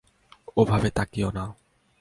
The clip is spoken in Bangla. ওভাবে তাকিও না।